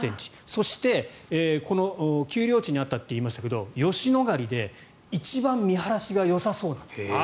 そして丘陵地にあったと言いましたが吉野ヶ里で一番見晴らしがよさそう。